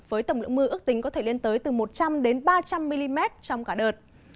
với tổng lượng mưa ước tính có thể lên tới từ một trăm linh ba trăm linh mm trong cả đợt